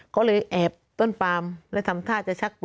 เขาเลยอาบต้นปลามแล้วทำท่าจะชักปืนยิงสิ